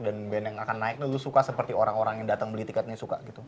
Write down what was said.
dan band yang akan naik lo suka seperti orang orang yang datang beli tiketnya suka gitu